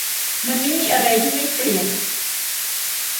มันไม่มีอะไรที่ไม่เปลี่ยน